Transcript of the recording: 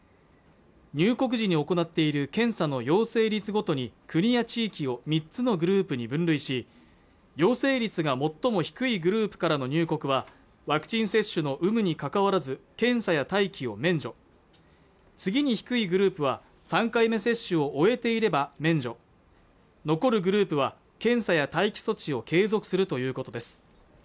入国時に行っている検査の陽性率ごとに国や地域を３つのグループに分類し陽性率が最も低いグループからの入国はワクチン接種の有無にかかわらず検査や待機を免除次に低いグループは３回目接種を終えていれば免除残るグループは検査や待機措置を継続するということです